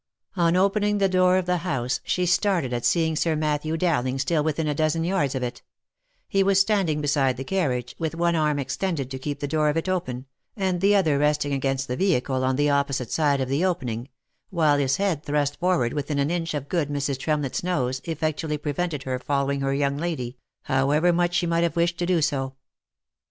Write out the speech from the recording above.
On opening the door of the house, she started at seeing Sir Matthew Dowling still within a dozen yards of it ; he was standing beside the carriage, with one arm extended to keep the door of it open, and the other resting against the vehicle on the opposite side of the opening, while his head thrust forward within an inch of good Mrs. Tremlett's nose effectually prevented ber following her young lady, however much she might have wished to do so.